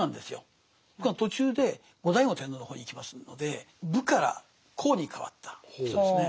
ところが途中で後醍醐天皇の方に行きますので「武」から「公」に変わった人ですね。